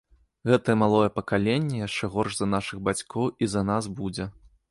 Гэтае малое пакаленне яшчэ горш за нашых бацькоў і за нас будзе.